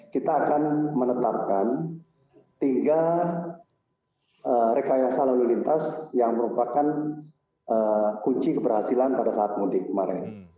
kita akan menetapkan tiga rekayasa lalu lintas yang merupakan kunci keberhasilan pada saat mudik kemarin